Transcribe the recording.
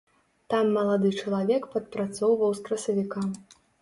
Там малады чалавек падпрацоўваў з красавіка.